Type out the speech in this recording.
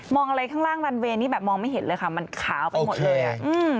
อะไรข้างล่างรันเวย์นี่แบบมองไม่เห็นเลยค่ะมันขาวไปหมดเลยอ่ะอืม